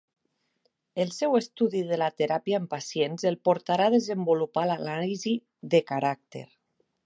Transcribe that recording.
El seu estudi de la teràpia en pacients el portà a desenvolupar l'anàlisi de caràcter.